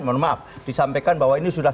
mohon maaf disampaikan bahwa ini sudah